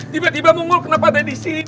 tiba dua mongol kenapa ada disini